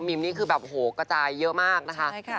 นี่คือแบบโหกระจายเยอะมากนะคะ